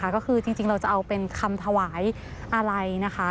ก็คือจริงเราจะเอาเป็นคำถวายอะไรนะคะ